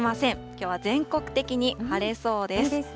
きょうは全国的に晴れそうです。